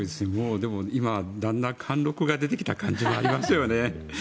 でも、今、だんだん貫禄が出てきた感じもありますよね。